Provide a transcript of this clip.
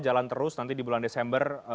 jalan terus nanti di bulan desember